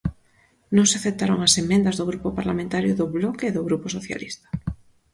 Non se aceptaron as emendas do Grupo Parlamentario do Bloque e do Grupo Socialista.